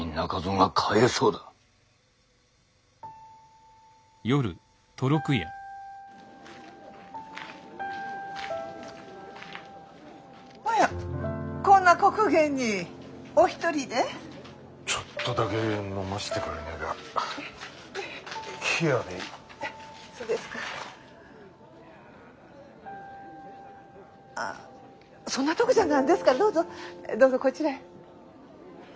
あそんなとこじゃ何ですからどうぞどうぞこちらへ。